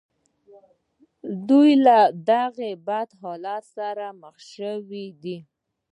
دوی له دغه بد حالت سره مخ شوي دي